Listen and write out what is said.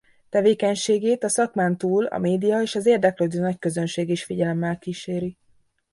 Tevékenységét a szakmán túl a média és az érdeklődő nagyközönség is figyelemmel kíséri.